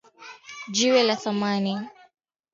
Jiwe la thamani.